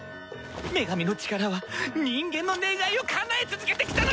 女神の力は人間の願いをかなえ続けてきたのよ！